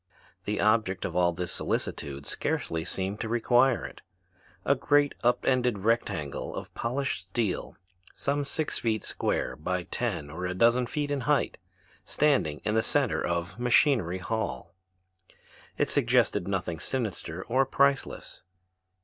The object of all this solicitude scarcely seemed to require it. A great up ended rectangle of polished steel some six feet square by ten or a dozen feet in height, standing in the center of Machinery Hall, it suggested nothing sinister or priceless.